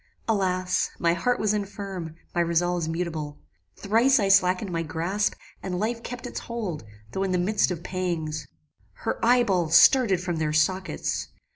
Alas! my heart was infirm; my resolves mutable. Thrice I slackened my grasp, and life kept its hold, though in the midst of pangs. Her eye balls started from their sockets.